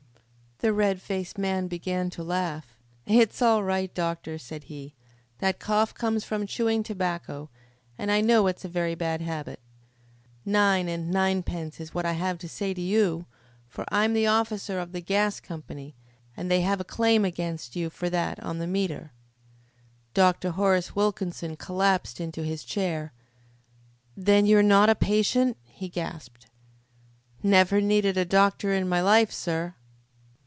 The red faced man began to laugh. "It's all right, doctor," said he. "That cough comes from chewing tobacco, and I know it's a very bad habit. Nine and ninepence is what I have to say to you, for I'm the officer of the gas company, and they have a claim against you for that on the metre." Dr. Horace Wilkinson collapsed into his chair. "Then you're not a patient?" he gasped. "Never needed a doctor in my life, sir."